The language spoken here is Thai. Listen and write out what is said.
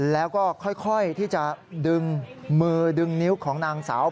แล้วก็ค่อยที่จะดึงมือดึงนิ้วของนางสาว